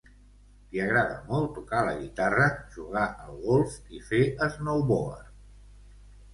Li agrada molt tocar la guitarra, jugar al golf i fer snowboard.